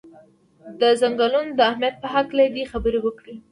د څنګلونو د اهمیت په هکله دې خبرې وکړي.